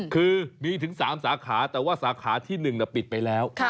คือมีถึง๓สาขาแต่ว่าสาขาที่๑ปิดไปแล้ว